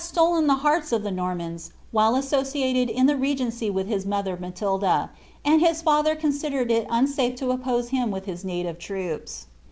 6 ■ ATILO& OF PLATCDERS Molen the hearts of the Normans, whfle asaociatetl in the regencj mtfc his mother Alatilda, and his father considered it unsafe to oppoae him with his native troops.